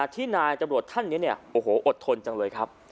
ที่นายตำรวจท่านนี้เนี่ยโอ้โหอดทนจังเลยครับ